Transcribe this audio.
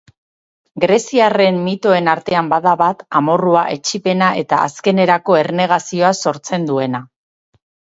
Greziarren mitoen artean bada bat amorrua, etsipena eta azkenerako ernegazioa sortzen duena.